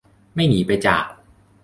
ไม่หนีไปจาก